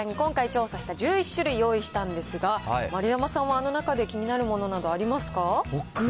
あちらに今回調査した１１種類を用意したんですが、丸山さんは、あの中で気になるものなど、ありますか？